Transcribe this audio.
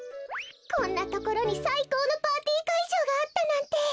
こんなところにさいこうのパーティーかいじょうがあったなんて！